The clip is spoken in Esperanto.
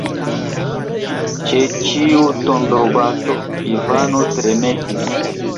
Ĉe ĉiu tondrobato Ivano tremetis.